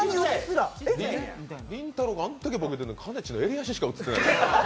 りんたろーがあんだけボケてるのに、かねちの襟足しか映ってない。